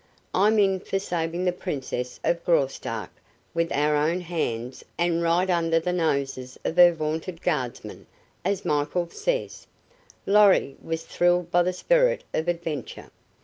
I'm in for saving the Princess of Graustark with our own hands and right under the noses of her vaunted guardsmen, as Michael says." Lorry was thrilled by the spirit of adventure.